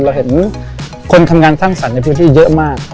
เราเห็นคนทำงานสร้างสรรค์ในพื้นที่เยอะมาก